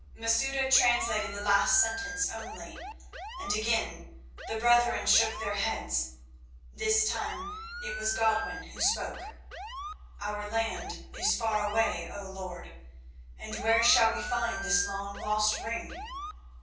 Masouda translated the last sentence only, and again the brethren shook their heads. This time it was Godwin who spoke. "Our land is far away, O lord, and where shall we find this long lost ring?